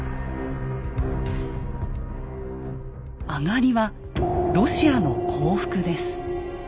上りは「ロシアの降伏」です。